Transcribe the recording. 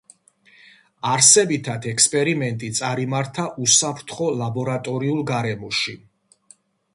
არსებითად, ექსპერიმენტი წარიმართა უსაფრთხო ლაბორატორიულ გარემოში.